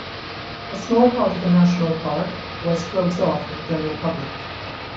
A small part of the national park was closed off to the general public.